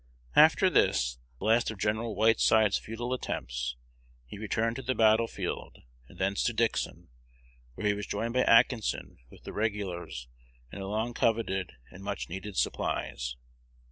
After this, the last of Gen. Whiteside's futile attempts, he returned to the battle field, and thence to Dixon, where he was joined by Atkinson with the regulars and the long coveted and much needed supplies.